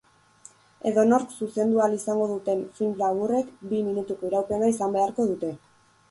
Edonork zuzendu ahal izango duten film laburrek bi minutuko iraupena izan beharko dute.